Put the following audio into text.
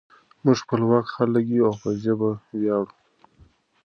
موږ خپلواک خلک یو او په ژبه ویاړو.